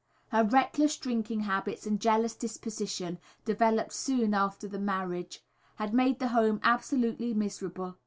Her reckless drinking habits and jealous disposition, developed soon after the marriage, had made the home absolutely miserable.